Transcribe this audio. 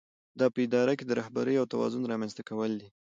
دا په اداره کې د رهبرۍ او توازن رامنځته کول دي.